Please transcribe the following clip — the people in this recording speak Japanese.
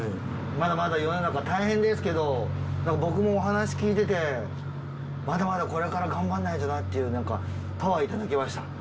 まだまだ世の中大変ですけど僕もお話聞いててまだまだこれから頑張んないとなっていうなんかパワーいただきました。